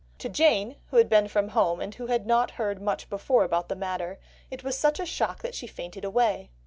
To Jane, who had been from home, and who had not heard much before about the matter, it was such a shock that she fainted away